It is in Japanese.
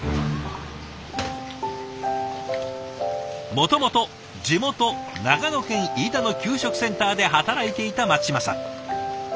もともと地元長野県飯田の給食センターで働いていた松島さん。